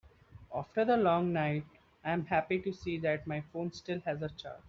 After the long night, I am happy to see that my phone still has a charge.